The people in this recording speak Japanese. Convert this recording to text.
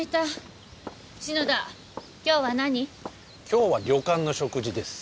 今日は旅館の食事です。